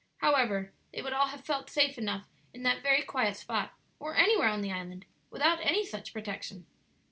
However, they would all have felt safe enough in that very quiet spot, or anywhere on the island, without any such protection.